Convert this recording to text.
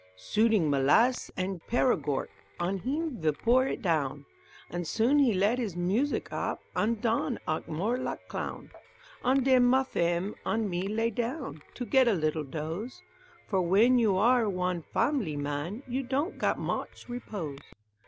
Sooding molass' an' peragork, On heem ve pour it down, An' soon he let his music op, An' don' ac' more lak' clown, An' den ma femme an' me lay down To get a little doze, For w'en you are wan fam'lee man You don' gat moch repose.